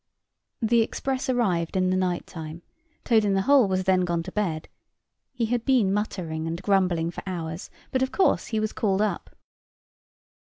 The express arrived in the night time; Toad in the hole was then gone to bed; he had been muttering and grumbling for hours, but of course he was called up.